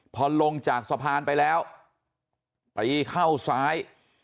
พอลงจากสะพานไปแล้วไปเข้าซ้าย